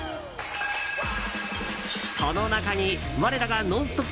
その中に我らが「ノンストップ！」